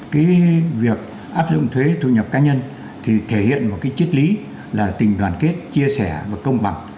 cái việc áp dụng thuế thu nhập cá nhân thì thể hiện một cái triết lý là tình đoàn kết chia sẻ và công bằng